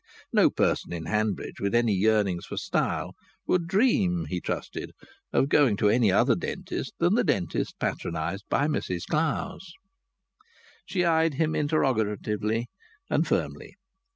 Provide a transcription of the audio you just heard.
No person in Hanbridge with any yearnings for style would dream, he trusted, of going to any other dentist than the dentist patronized by Mrs Clowes. She eyed him interrogatively and firmly.